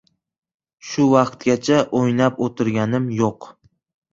— Shu vaqtgacha o‘ynab o‘tirganim yo‘q.